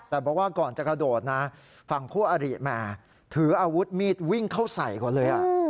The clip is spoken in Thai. แต่บอกว่าก่อนจะกระโดดนะฝั่งคู่อริแหมถืออาวุธมีดวิ่งเข้าใส่ก่อนเลย